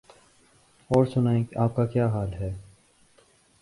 اور سنائیں آپ کا کیا حال ہے؟